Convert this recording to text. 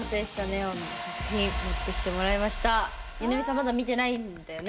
まだ見てないんだよね？